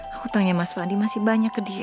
aku tahu ya mas fandi masih banyak ke dia